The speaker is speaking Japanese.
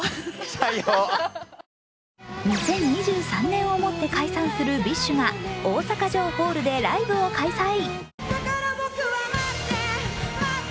２０２３年をもって解散するＢｉＳＨが大阪城ホールでライブを開催。